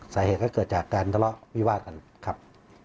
สาเหตุก็เกิดจากการทะเลาะวิวาดกันครับ